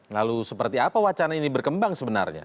lalu seperti apa wacana ini berkembang sebenarnya